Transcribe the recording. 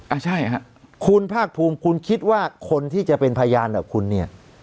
อ่ะใช่ฮะคุณภาคภูมิคุณคิดว่าคนที่จะเป็นพยานกับคุณเนี่ย